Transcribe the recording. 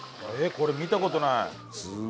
これ見た事ない。